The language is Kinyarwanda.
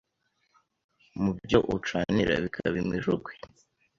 Mubyo ucanira bikaba imijugwe,